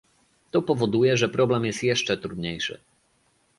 To powoduje, że problem jest jeszcze trudniejszy